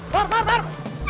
pur pur pur